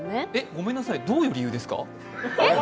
ごめんなさい、どういう理由ですか？